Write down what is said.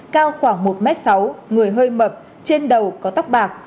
cao khoảng một m sáu người hơi mập trên đầu có tóc bạc